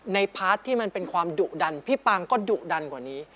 พาร์ทที่มันเป็นความดุดันพี่ปางก็ดุดันกว่านี้